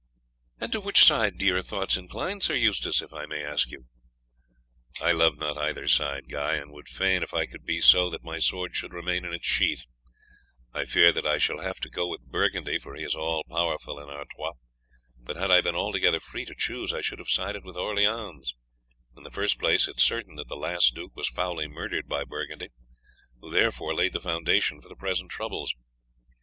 "And to which side do your thoughts incline, Sir Eustace, if I may ask you?" "I love not either side, Guy, and would fain, if it could be so, that my sword should remain in its sheath. I fear that I shall have to go with Burgundy, for he is all powerful in Artois; but had I been altogether free to choose, I should have sided with Orleans. In the first place, it is certain that the last duke was foully murdered by Burgundy, who thereby laid the foundation for the present troubles.